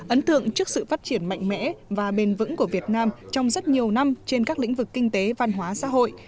ấn tượng trước sự phát triển mạnh mẽ và bền vững của việt nam trong rất nhiều năm trên các lĩnh vực kinh tế văn hóa xã hội